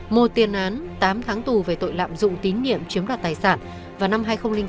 một tiền án tám tháng tù về tội lạm dụng tín nhiệm chiếm đoạt tài sản vào năm hai nghìn bốn